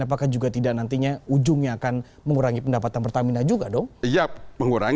apakah juga tidak nantinya ujungnya akan mengurangi pendapatan pertamina juga dong